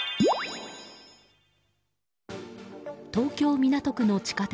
東京・港区の地下鉄